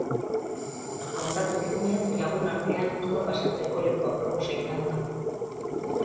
Kontatu digunez, lagun artean ondo pasatzeko leku aproposa izango da.